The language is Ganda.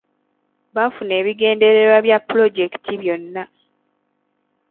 Baafuna ebigendererwa bya pulojekiti byonna.